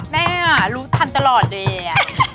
แม่รู้ทันตลอดเลยอะ